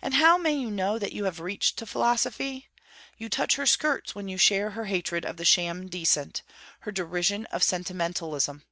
And how may you know that you have reached to Philosophy? You touch her skirts when you share her hatred of the sham decent, her derision of sentimentalism.